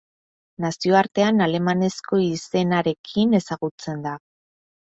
Nazioartean alemanezko izenarekin ezagutzen da.